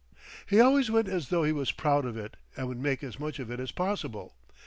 He always went as though he was proud of it and would make as much of it as possible.